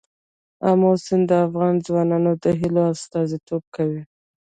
آمو سیند د افغان ځوانانو د هیلو استازیتوب کوي.